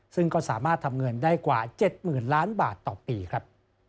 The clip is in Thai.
ซึ่งก็สามารถทำเงินได้กว่า๗๐๐๐ล้านบาทต่อปีครับ